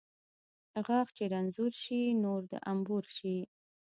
غاښ چې رنځور شي، نور د انبور شي.